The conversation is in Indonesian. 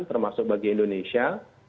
termasuk bagi indonesia